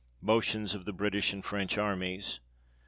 Motions of the British and French armies.